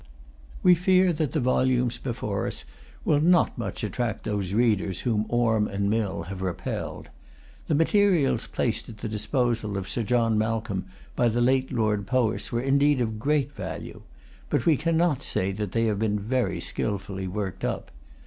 We fear that the volumes before us will not much attract those readers whom Orme and Mill have repelled. The materials placed at the disposal of Sir John Malcolm by the late Lord Powis were indeed of great value. But we cannot say that they have been very skilfully worked up.